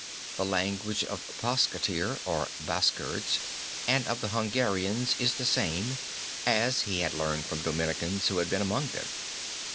The language of the Pascatir (or Bashkirds) and of the Hungarians is the same, as, he had learned from Dominicans who had been among them.